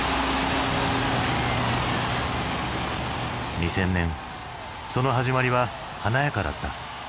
２０００年その始まりは華やかだった。